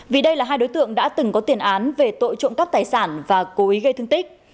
vì đây là hai đối tượng đã từng có tiền án về tội trộm cắp tài sản và cố ý gây thương tích